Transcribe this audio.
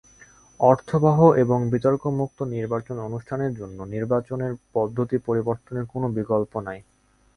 অর্থবহ এবং বিতর্কমুক্ত নির্বাচন অনুষ্ঠানের জন্য নির্বাচনের পদ্ধতি পরিবর্তনের কোনো বিকল্প নেই।